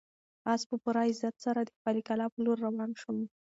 آس په پوره عزت سره د خپلې کلا په لور روان شو.